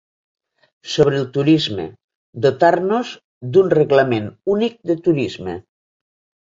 Sobre el turisme: Dotar-nos d’un reglament únic de turisme.